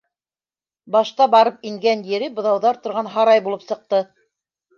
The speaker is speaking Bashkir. Башта барып ингән ере - быҙауҙар торған һарай булып сыҡты.